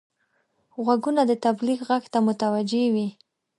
غوږونه د تبلیغ غږ ته متوجه وي